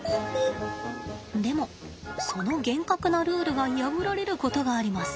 でもその厳格なルールが破られることがあります。